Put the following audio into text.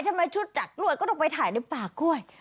ทำไมชุดจัดกล้วยก็ต้องไปถ่ายในป่ากล้วย